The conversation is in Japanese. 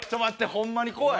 ホンマに怖い。